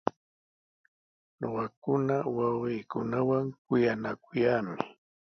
Ñuqakuna wawqiikunawan kuyanakuyaami.